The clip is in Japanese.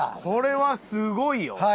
これはすごいよ。